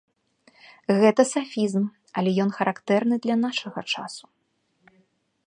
Гэта сафізм, але ён характэрны для нашага часу.